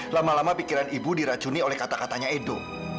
lama lama pikiran ibu diracuni oleh kata katanya edo